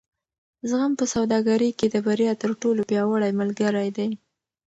زغم په سوداګرۍ کې د بریا تر ټولو پیاوړی ملګری دی.